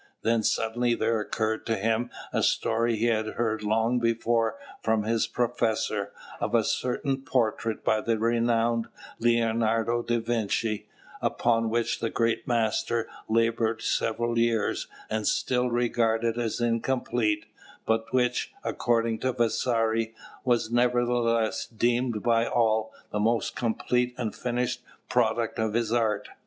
Then suddenly there occurred to him a story he had heard long before from his professor, of a certain portrait by the renowned Leonardo da Vinci, upon which the great master laboured several years, and still regarded as incomplete, but which, according to Vasari, was nevertheless deemed by all the most complete and finished product of his art.